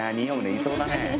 いそうだね。